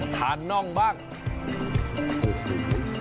ทานน่องบ้าง